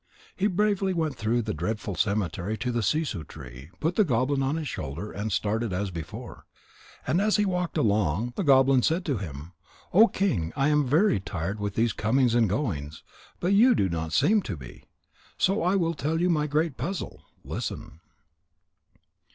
He bravely went through the dreadful cemetery to the sissoo tree, put the goblin on his shoulder, and started as before. And as he walked along, the goblin said to him: "O King, I am very tired with these comings and goings, but you do not seem to be. So I will tell you my Great Puzzle. Listen."